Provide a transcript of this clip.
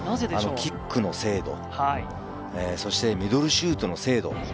キックの精度、そしてミドルシュートの精度。